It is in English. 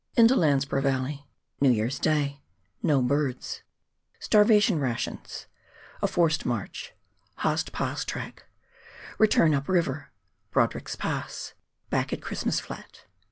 Into Landsborough Valley — New Year's Day — No Birds — Starvation Rations — A Forced March — Haast Pass Track — Return up River — Brodrick's Pass — Back at Christmas Flat.